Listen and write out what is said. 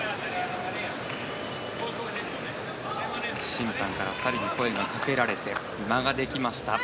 審判から２人に声がかけられて間ができました。